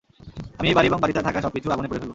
আমি এই বাড়ি এবং বাড়িতে থাকা সবকিছু আগুনে পুড়ে ফেলব।